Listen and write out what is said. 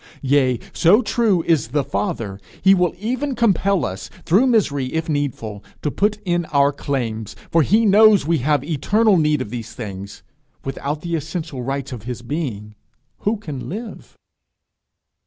Yes, so true is the Father, he will even compel us, through misery if needful, to put in our claims, for he knows we have eternal need of these things: without the essential rights of his being, who can live?